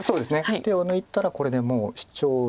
手を抜いたらこれでもうシチョウで。